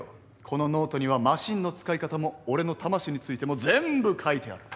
このノートにはマシンの使い方も俺の魂についても全部書いてある。